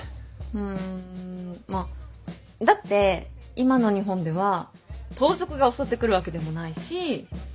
うんまぁだって今の日本では盗賊が襲ってくるわけでもないし。